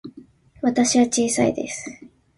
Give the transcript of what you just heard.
私は小さいです。